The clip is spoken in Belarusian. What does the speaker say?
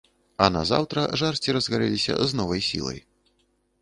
А назаўтра жарсці разгарэліся з новай сілай.